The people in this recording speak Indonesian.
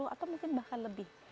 atau mungkin bahkan lebih